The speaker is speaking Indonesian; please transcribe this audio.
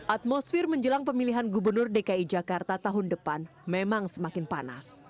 atmosfer menjelang pemilihan gubernur dki jakarta tahun depan memang semakin panas